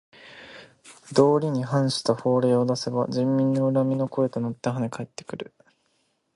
道理に反した法令を出せば人民の恨みの声となってはね返ってくる。